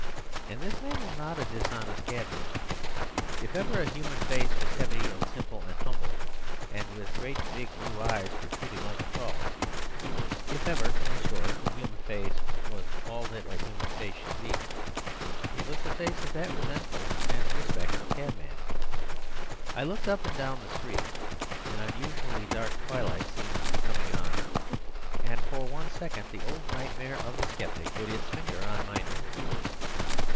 And this man was not a dishonest cabman. If ever a human face was heavy and simple and humble, and with great big blue eyes protruding like a frog's, if ever (in short) a human face was all that a human face should be, it was the face of that resentful and respectful cabman. I looked up and down the street; an unusually dark twilight seemed to be coming on. And for one second the old nightmare of the sceptic put its finger on my nerve.